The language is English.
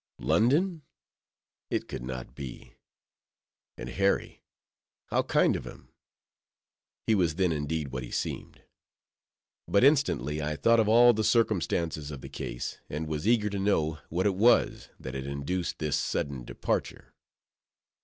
London? it could not be!—and Harry—how kind of him! he was then indeed what he seemed. But instantly I thought of all the circumstances of the case, and was eager to know what it was that had induced this sudden departure.